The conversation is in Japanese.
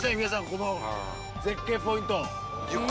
皆さんこの絶景ポイント。